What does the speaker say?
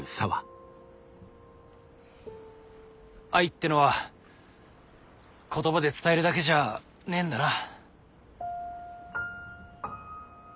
愛ってのは言葉で伝えるだけじゃねえんだな。